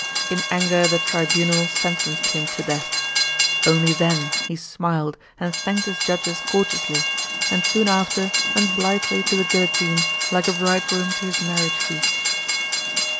In anger the tribunal sentenced him to death. Only then he smiled and thanked his judges courteously, and soon after went blithely to the guillotine like a bridegroom to his marriage feast.